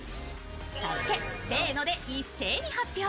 そして、せーので一斉に発表。